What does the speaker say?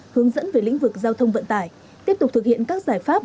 hướng dẫn về lĩnh vực giao thông vận tải tiếp tục thực hiện các giải pháp